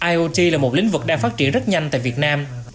iot là một lĩnh vực đang phát triển rất nhanh tại việt nam